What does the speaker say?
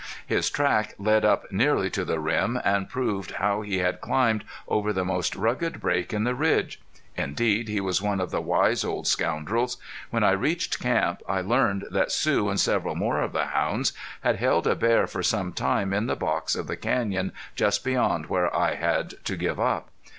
His track led up nearly to the rim and proved how he had climbed over the most rugged break in the ridge. Indeed he was one of the wise old scoundrels. When I reached camp I learned that Sue and several more of the hounds had held a bear for some time in the box of the canyon just beyond where I had to give up.